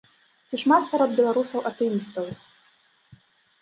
Ці шмат сярод беларусаў атэістаў?